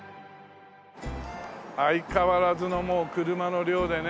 相変わらずの車の量でね。